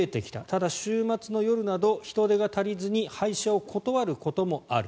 ただ週末の夜など人手が足りずに配車を断ることもある。